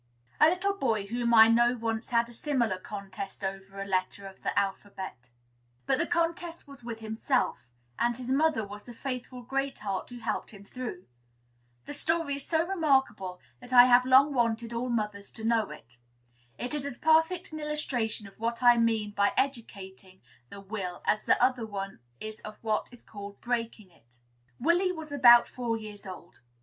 A little boy whom I know once had a similar contest over a letter of the alphabet; but the contest was with himself, and his mother was the faithful Great Heart who helped him through. The story is so remarkable that I have long wanted all mothers to know it. It is as perfect an illustration of what I mean by "educating" the will as the other one is of what is called "breaking" it. Willy was about four years old.